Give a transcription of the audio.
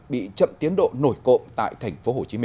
bị chậm tiến độ nổi cộng tại tp hcm